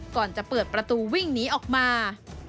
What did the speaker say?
ก่อนจะเปิดประตูวิ่งหนีออกมา